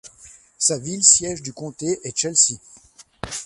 Sa ville siège du comté est Chelsea.